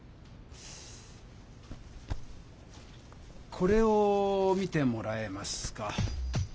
これを見てもらえますか？